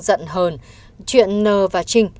giận hờn chuyện n và trinh